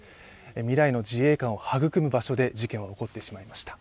未来の自衛官を育む場所で事件が起こってしまいました。